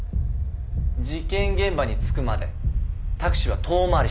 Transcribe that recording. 事件現場に着くまでタクシーは遠回りしたろ。